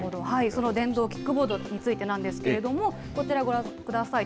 その電動キックボードについてなんですけれども、こちらご覧ください。